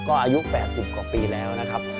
จินตนานะครับก็อายุ๘๐กว่าปีแล้วนะครับ